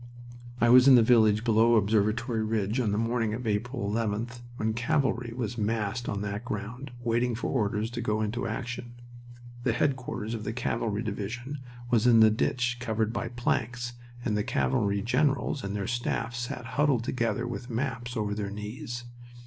I was in the village below Observatory Ridge on the morning of April 11th when cavalry was massed on that ground, waiting for orders to go into action. The headquarters of the cavalry division was in a ditch covered by planks, and the cavalry generals and their staffs sat huddled together with maps over their knees.